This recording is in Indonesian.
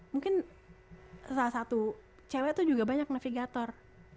mungkin salah satu cewek tuh juga banyak navigator